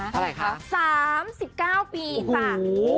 มากอะ๓๙ปีจ้า